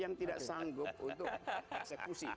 yang tidak sanggup untuk eksekusi